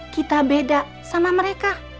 kita beda sama mereka